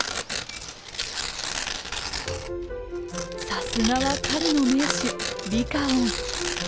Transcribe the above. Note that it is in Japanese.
さすがは狩りの名手リカオン。